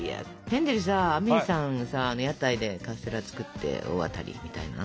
ヘンゼルさアメイさんのさあの屋台でカステラ作って大当たりみたいな。